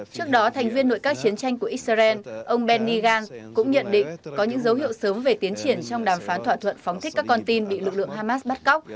trước đó thành viên nội các chiến tranh của israel ông benny gantz cũng nhận định có những dấu hiệu sớm về tiến triển trong đàm phán thỏa thuận phóng thích các con tin bị lực lượng hamas bắt cóc